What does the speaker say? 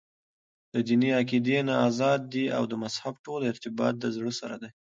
دديني عقيدي نه ازاد دي او دمذهب ټول ارتباط دزړه سره دى .